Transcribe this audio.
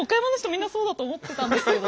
みんなそうだと思ってたんですけど。